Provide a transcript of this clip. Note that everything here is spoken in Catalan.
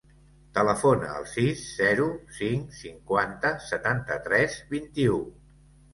Telefona al sis, zero, cinc, cinquanta, setanta-tres, vint-i-u.